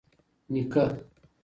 نيکه